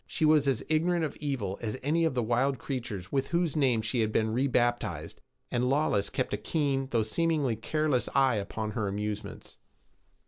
She was as ignorant of evil as any of the wild creatures with whose names she had been rebaptized, and Lawless kept a keen though seemingly careless eye upon her amusements.